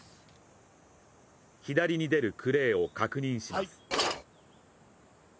左に出るクレーを確認します。